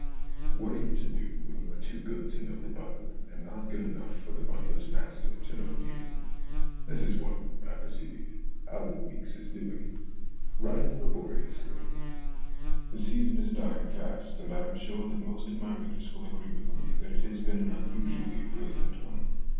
What are you to do when you are too good to know the butler, and not good enough for the butler's master to know you ? This is what, I perceive, Albert Weeks is doing, writing laboriously :" The season is dying fast, and I am sure that most of my readers will agree with me that it has been an unusually brilliant one.